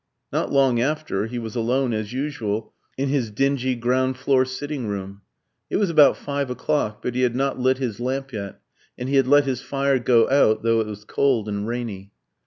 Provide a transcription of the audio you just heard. Not long after, he was alone, as usual, in his dingy ground floor sitting room. It was about five o'clock; but he had not lit his lamp yet, and he had let his fire go out, though it was cold and rainy.